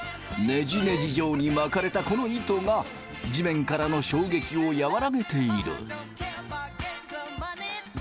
ネジネジ状に巻かれたこの糸が地面からの衝撃を和らげている。